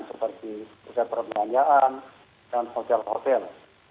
seperti pusat perbelanjaan dan hotel hotel